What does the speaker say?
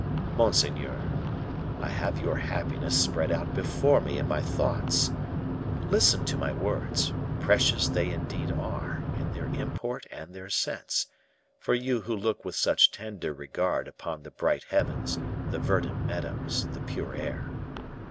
Monseigneur, I have your happiness spread out before me in my thoughts; listen to my words; precious they indeed are, in their import and their sense, for you who look with such tender regard upon the bright heavens, the verdant meadows, the pure air.